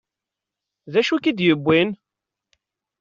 D acu i k-id-yewwin?